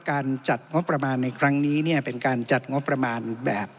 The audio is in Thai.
การจัดงบประมาณในครั้งนี้เนี่ยเป็นการจัดงบประมาณแบบ